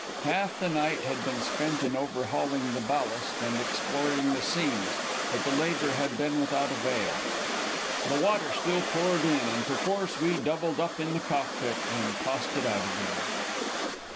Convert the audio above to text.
Half the night had been spent in overhauling the ballast and exploring the seams, but the labor had been without avail. The water still poured in, and perforce we doubled up in the cockpit and tossed it out again.